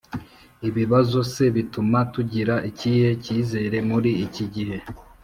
Ibibazo se bituma tugira ikihe cyizere muri iki gihe